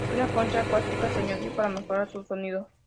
Una concha acústica se añadió para mejorar su sonido.